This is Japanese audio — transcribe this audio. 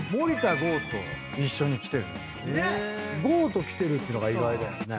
剛と来てるっていうのが意外だよね。